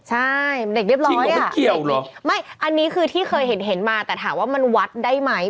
ใช่มันเด็กเรียบร้อยอะอันนี้คือที่เคยเห็นมาแต่ถามว่ามันวัดได้ไหม